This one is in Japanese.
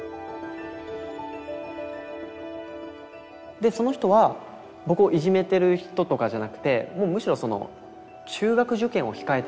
でその人は僕をいじめてる人とかじゃなくてむしろ中学受験を控えてたんですよね。